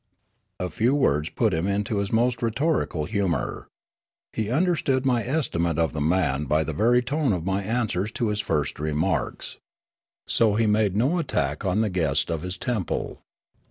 A few words put him into his most rhetorical humour. He understood my estimate of the man b)' the very tone of my answers to his first remarks. So he made no Sneekape 167 attack on the guest of his temple.